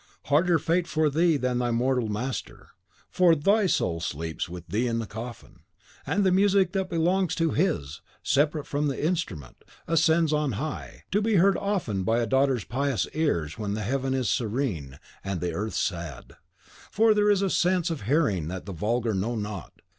Harder fate for thee than thy mortal master. For THY soul sleeps with thee in the coffin. And the music that belongs to HIS, separate from the instrument, ascends on high, to be heard often by a daughter's pious ears when the heaven is serene and the earth sad. For there is a sense of hearing that the vulgar know not.